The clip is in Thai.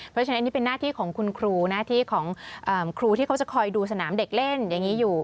เพราะฉะนั้นอันนี้เป็นหน้าที่ของคุณครูของครูที่เขาจะคอยดูสนามเด็กเล่นอย่างนี้อยู่